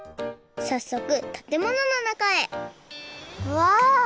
さっそくたてもののなかへうわ！